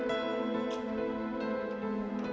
aku lapar sekali di sini